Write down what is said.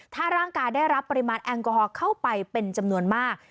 ถ้าร่างกายได้รับปริมาณแอลกอฮอล์เข้าไปเป็นจำนวนมาก